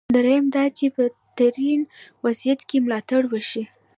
درېیم دا چې په بدترین وضعیت کې ملاتړ وشي.